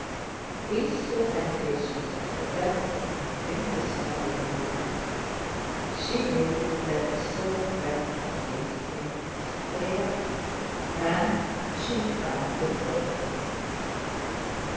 These were temptations of the devil and Princess Mary knew it. She knew that the sole weapon against him was prayer, and she tried to pray.